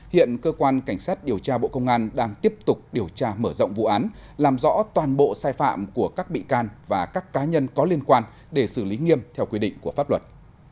hiện cơ quan cảnh sát điều tra bộ công an đang tiếp tục điều tra mở rộng vụ án làm rõ toàn bộ sai phạm của các bị can và các cá nhân có liên quan để xử lý nghiêm theo quy định của pháp luật